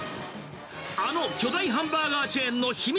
あの巨大ハンバーガーチェーンの秘密